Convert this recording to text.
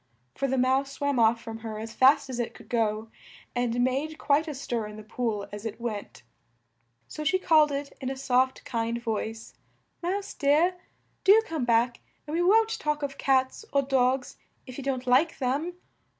For the Mouse swam off from her as fast as it could go, and made quite a stir in the pool as it went. So she called it in a soft, kind voice, "Mouse dear! Do come back and we won't talk of cats or dogs if you don't like them!"